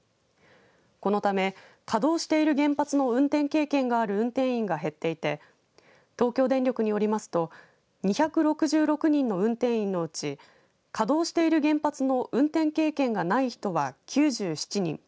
このため、稼働している原発の運転経験がある運転員が減っていて東京電力によりますと２６６人の運転員のうち稼働している原発の運転経験がない人は９７人。